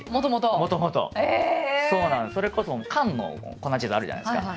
もともと？ええ！それこそ缶の粉チーズあるじゃないですか。